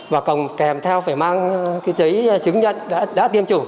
và còn kèm theo phải mang cái giấy chứng nhận đã tiêm chủ